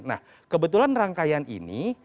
nah kebetulan rangkaian ini